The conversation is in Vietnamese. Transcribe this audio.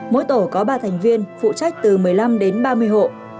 mỗi tổ có ba thành viên phụ trách từ một mươi năm đến ba mươi hộ